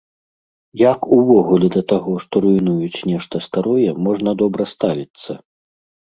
Як увогуле да таго, што руйнуюць нешта старое, можна добра ставіцца?